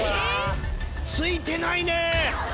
ついてないね。